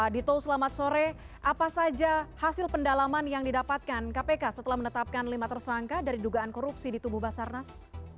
dito selamat sore apa saja hasil pendalaman yang didapatkan kpk setelah menetapkan lima tersangka dari dugaan korupsi di tubuh basarnas